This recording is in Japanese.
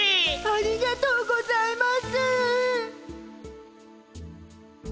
ありがとうございます！